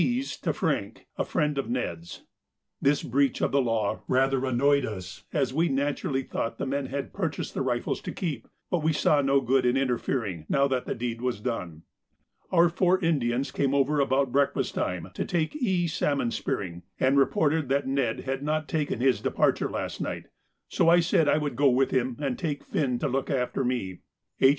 's to Frank, a friend of Ned's. This breach of the law rather annoyed us, as we naturally thought the men had purchased the rifles to keep, but we saw no good in interfering, now that the deed was done. Our four Indians came over about breakfast time to take E. salmon spearing, and reported that Ned had not taken his departure last night, so I said I would go with him and take Finn to look after me. H.